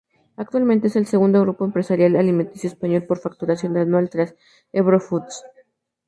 Actualmente es el segundo grupo empresarial alimenticio español por facturación anual tras Ebro Foods.